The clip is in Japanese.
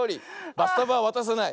バスタブはわたさない。